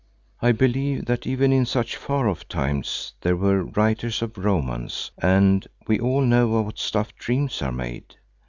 I believe that even in such far off times there were writers of romance, and we all know of what stuff dreams are made.